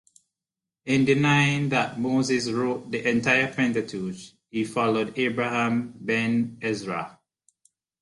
In denying that Moses wrote the entire Pentateuch he followed Abraham ben Ezra.